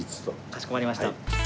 かしこまりました。